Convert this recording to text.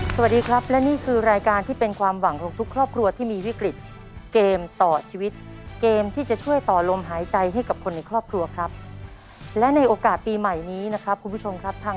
สวัสดีครับและนี่คือรายการที่เป็นความหวังของทุกครอบครัวที่มีวิกฤตเกมต่อชีวิตเกมที่จะช่วยต่อลมหายใจให้กับคนในครอบครัวครับและในโอกาสปีใหม่นี้นะครับคุณผู้ชมครับทาง